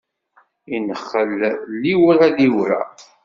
Inexxel liwṛa liwṛa.